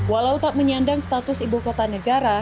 walau tak menyandang status ibu kota negara